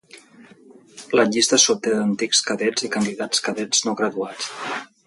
La llista s'obté d'antics cadets i candidats cadets no graduats.